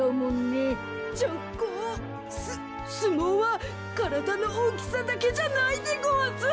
すすもうはからだのおおきさだけじゃないでごわす。